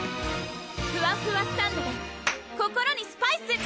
ふわふわサンドｄｅ心にスパイス！